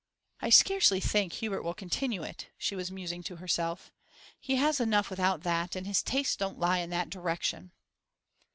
'I scarcely think Hubert will continue it,' she was musing to herself. 'He has enough without that, and his tastes don't lie in that direction.